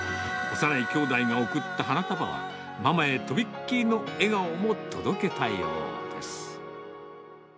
幼い兄妹が贈った花束は、ママへ飛びっきりの笑顔も届けたようです。